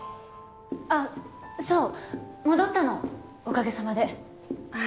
あっそう戻ったのおかげさまでああ